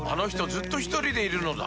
ずっとひとりでいるのだ